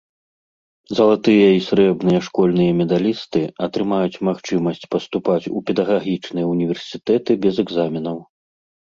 Залатыя і срэбныя школьныя медалісты атрымаюць магчымасць паступаць у педагагічныя ўніверсітэты без экзаменаў.